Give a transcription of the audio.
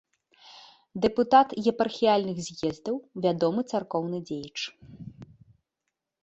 Дэпутат епархіяльных з'ездаў, вядомы царкоўны дзеяч.